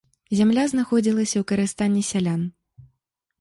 Зямля знаходзілася ў карыстанні сялян.